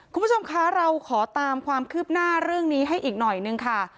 คุณผู้ชมคะเราขอตามความคืบหน้าเรื่องนี้ให้อีกหน่อยนึงค่ะ